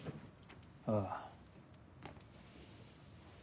ああ。